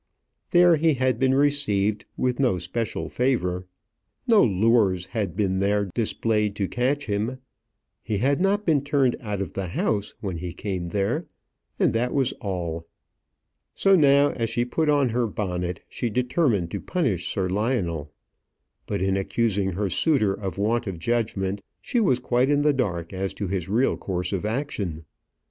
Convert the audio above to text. There he had been received with no special favour. No lures had been there displayed to catch him. He had not been turned out of the house when he came there, and that was all. So now, as she put on her bonnet, she determined to punish Sir Lionel. But in accusing her suitor of want of judgment, she was quite in the dark as to his real course of action.